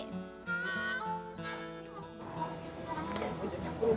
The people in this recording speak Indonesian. kok jadi perempuan